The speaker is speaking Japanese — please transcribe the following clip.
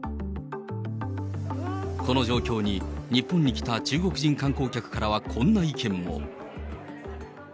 この状況に、日本に来た中国人観光客からはこんな意見も。